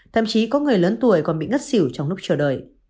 thậm chí có người lớn tuổi còn bị ngất xỉu trong lúc chờ đợi